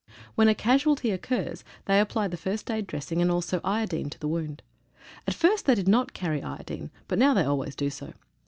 When a casualty occurs they apply the first aid dressing, and also iodine to the wound. At first they did not carry iodine, but now they always do so.